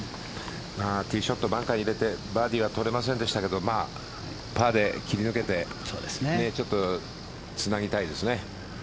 ティーショットバンカー入れてバーディーはとれませんでしたがパーで切り抜けてつなぎたいですね。